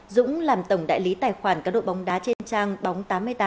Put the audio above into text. dũng làm tổng đại lý tài khoản cá độ bóng đá trên trang bóng tám mươi tám